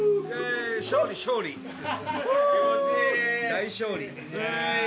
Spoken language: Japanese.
大勝利。